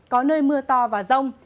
có nơi mưa to và rông